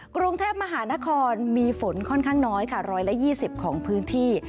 กรุงเทพมหานครมีฝนค่อนข้างน้อยค่ะ๑๒๐ของพื้นที่